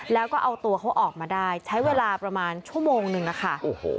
แล้วก็เอาตัวเขาออกมาได้ใช้เวลาประมาณชั่วโมงนึงอะค่ะโอ้โห